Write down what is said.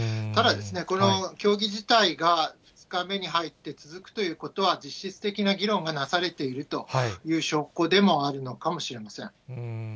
ただ、この協議自体が２日目に入って続くということは、実質的な議論がなされているという証拠でもあるのかもしれません。